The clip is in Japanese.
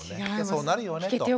そうなるよねと。